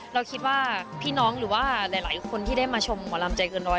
เราคิดว่าพี่น้องหรือว่าหลายคนที่ได้มาชมหมอลำใจเกินร้อย